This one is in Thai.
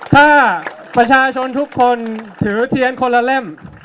ถ้าประชาชนทุกคนถือเทียนคนละเล่ม